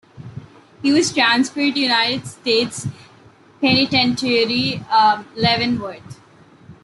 He was transferred to United States Penitentiary, Leavenworth.